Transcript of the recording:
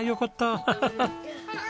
アハハハ。